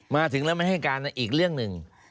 มาถึงแล้วไม่ให้การอีกเรื่องหนึ่ง